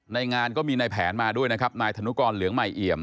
งานก็มีนายแผนมาด้วยนะครับนายธนุกรเหลืองใหม่เอี่ยม